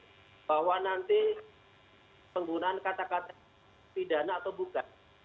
jadi bahwa nanti penggunaan kata kata pidana atau bukan itu bukan urusan kami ya